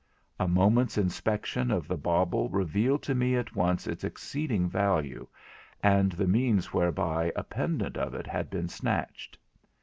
A moment's inspection of the bauble revealed to me at once its exceeding value, and the means whereby a pendant of it had been snatched.